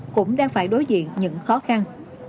cũng đang phải đối diện những khó khăn